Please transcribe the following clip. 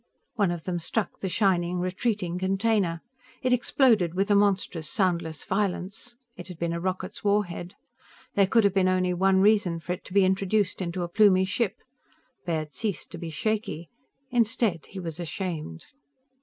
One of them struck the shining, retreating container. It exploded with a monstrous, soundless, violence. It had been a rocket's war head. There could have been only one reason for it to be introduced into a Plumie ship. Baird ceased to be shaky. Instead, he was ashamed.